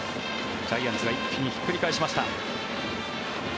ジャイアンツが一気にひっくり返しました。